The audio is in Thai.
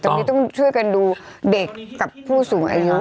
ตอนนี้ต้องช่วยกันดูเด็กกับผู้สูงอายุ